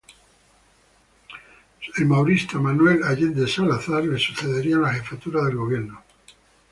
El "maurista" Manuel Allendesalazar le sucedería en la jefatura del gobierno.